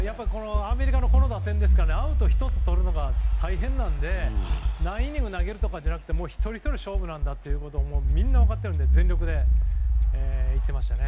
アメリカのこの打線はアウト１つとるのが大変で何イニング投げるとかじゃなくて一人ひとりの勝負なんだとみんな分かっているので全力でいってましたね。